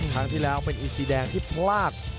ครั้งที่แล้วเป็นอีซีแดงที่พลาด